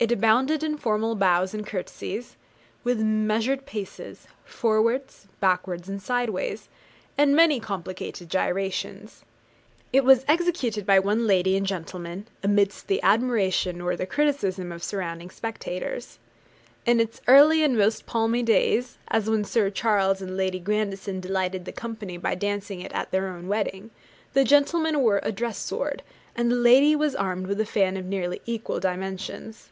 It abounded in formal bows and courtesies, with measured paces, forwards, backwards and sideways, and many complicated gyrations. It was executed by one lady and gentleman, amidst the admiration, or the criticism, of surrounding spectators. In its earlier and most palmy days, as when Sir Charles and Lady Grandison delighted the company by dancing it at their own wedding, the gentleman wore a dress sword, and the lady was armed with a fan of nearly equal dimensions.